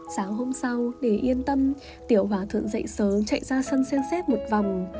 sáng hôm sau để yên tâm tiểu hòa thượng dậy sớm chạy ra sân xem xét một vòng